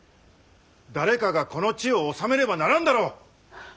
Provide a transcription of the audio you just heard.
誰かがこの地を治めねばならんだろう！